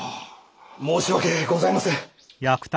申し訳ございません。